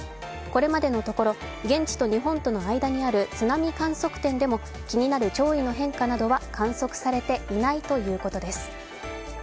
これまでのところ、現地の日本の間にある津波観測点でも気になる潮位の変化などは観測されていないということです。